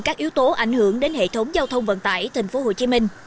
các yếu tố ảnh hưởng đến hệ thống giao thông vận tải tp hcm